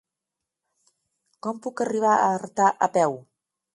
Com puc arribar a Artà a peu?